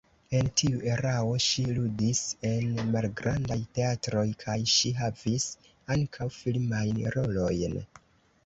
En tiu erao ŝi ludis en malgrandaj teatroj kaj ŝi havis ankaŭ filmajn rolojn.